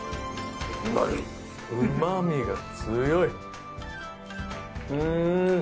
うま味が強い。